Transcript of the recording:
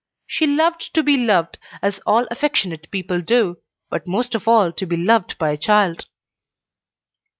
She loved to be loved, as all affectionate people do, but most of all to be loved by a child.